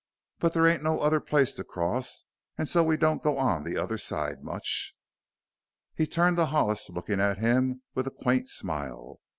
But there ain't no other place to cross an' so we don't go on the other side much." He turned to Hollis, looking at him with a quaint smile.